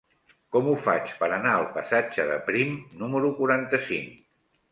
Com ho faig per anar al passatge de Prim número quaranta-cinc?